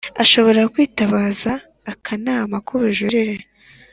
ashobora kwitabaza Akanama k ubujurire